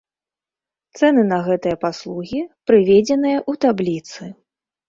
Цэны на гэтыя паслугі прыведзеныя ў табліцы.